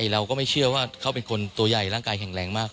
เราก็ไม่เชื่อว่าเขาเป็นคนตัวใหญ่ร่างกายแข็งแรงมาก